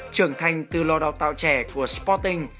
trưởng thành từ lò đào tạo trẻ của sporting